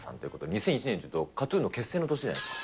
２００１年というとＫＡＴーＴＵＮの結成の年じゃないですか。